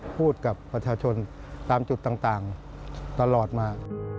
พูดกับประชาชนตามจุดต่างตลอดมา